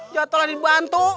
jatuh di bantu